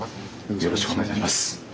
よろしくお願いします。